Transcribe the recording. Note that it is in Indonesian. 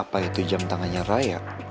apa itu jam tangannya rakyat